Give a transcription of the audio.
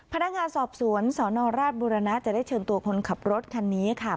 พนักงานสอบสวนสนราชบุรณะจะได้เชิญตัวคนขับรถคันนี้ค่ะ